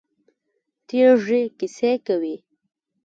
تیږې کیسې کوي.